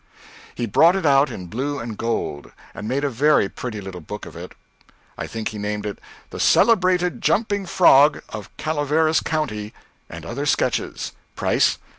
He brought it out in blue and gold, and made a very pretty little book of it, I think he named it "The Celebrated Jumping Frog of Calaveras County, and Other Sketches," price $1.